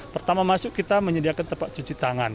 pertama masuk kita menyediakan tempat cuci tangan